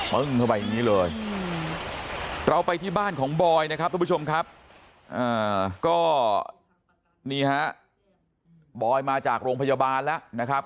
ึ้งเข้าไปอย่างนี้เลยเราไปที่บ้านของบอยนะครับทุกผู้ชมครับก็นี่ฮะบอยมาจากโรงพยาบาลแล้วนะครับ